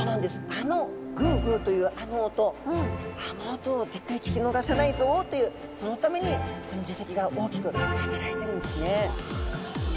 あのグゥグゥというあの音あの音を絶対聞き逃さないぞというそのためにこの耳石が大きく働いているんですね。